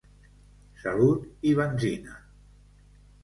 Salut i benzina!